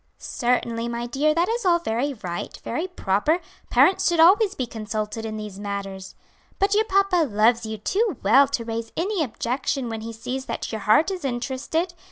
"Certainly, my dear, that is all very right, very proper; parents should always be consulted in these matters. But your papa loves you too well to raise any objection when he sees that your heart is interested.